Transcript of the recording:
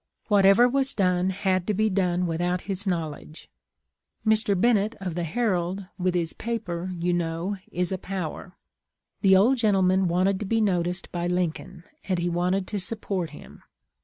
Whatever was done had to be done without his knowledge. Mr. Bennett of the Herald, with his paper, you know, is a power. The old gentleman wanted to be noticed by Lincoln, and he wanted to support him.